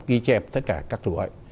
ghi chép tất cả các thuốc ấy